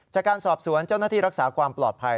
จากการสอบสวนเจ้าหน้าที่รักษาความปลอดภัย